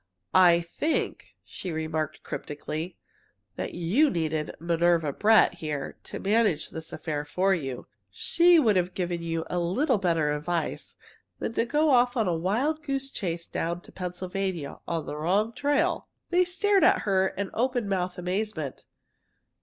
"I think," she remarked cryptically, "that you needed Minerva Brett here to manage this affair for you. She would have given you a little better advice than to go off on a wild goose chase down to Pennsylvania on the wrong trail!" They stared at her in open mouthed amazement.